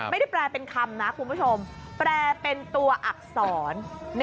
แปลเป็นคำนะคุณผู้ชมแปลเป็นตัวอักษร